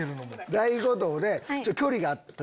『大悟道』で距離があった。